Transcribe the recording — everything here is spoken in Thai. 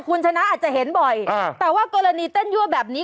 คุณชนะอาจจะเห็นบ่อยแต่ว่ากรณีเต้นยั่วแบบนี้